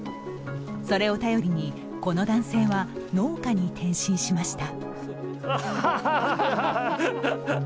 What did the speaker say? それを頼りに、この男性は農家に転身しました。